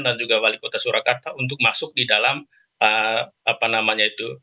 dan juga wali kota surakarta untuk masuk di dalam apa namanya itu